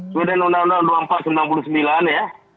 kemudian undang undang dua ribu empat ratus sembilan puluh sembilan ya